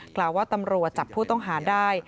กล่าวว่าตำรวจจับผู้ต้องหาได้